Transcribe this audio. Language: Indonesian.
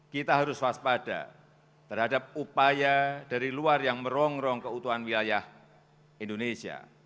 kita harus waspada terhadap upaya dari luar yang merongrong keutuhan wilayah indonesia